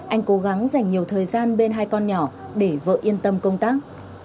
anh cố gắng dành nhiều thời gian bên hai con nhỏ để vợ yên tâm công tác